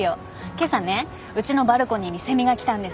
けさねうちのバルコニーにセミが来たんです。